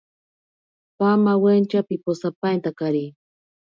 Pamawentya piposapaintakari.